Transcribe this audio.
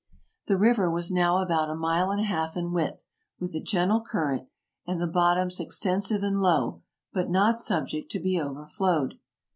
... The river was now about a mile and a half in width, with a gentle current, and the bot toms extensive and low, but not subject to be overflowed.